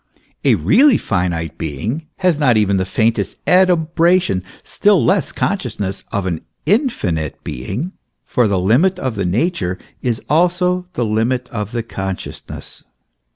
A really finite being has not even the faintest adumbration, still less consciousness, of an infinite being, for the limit of the nature is also the limit of the consciousness.